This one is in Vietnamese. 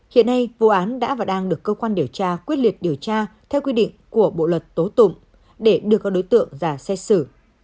hiện nay vụ án đã và đang được cơ quan điều tra quyết liệt điều tra theo quy định của bộ luật tố tụng để đưa các đối tượng ra xét xử